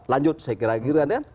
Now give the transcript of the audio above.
lanjut saya kira gitu kan ya